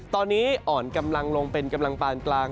ตอนนี้อ่อนกำลังลงเป็นกำลังปานกลาง